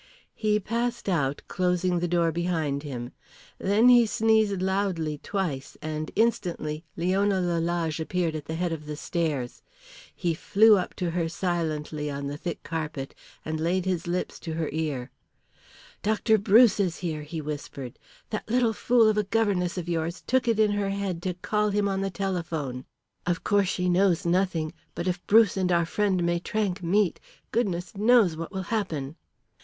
He passed out, closing the door behind him. Then he sneezed loudly twice, and instantly Leona Lalage appeared at the head of the stairs. He flew up to her silently on the thick carpet and laid his lips to her ear. "Dr. Bruce is here," he whispered. "That little fool of a governess of yours took it in her head to call him on the telephone. Of course, she knows nothing, but if Bruce and our friend Maitrank meet, goodness knows what will happen."